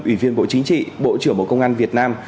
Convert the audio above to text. ủy viên bộ chính trị bộ trưởng bộ công an việt nam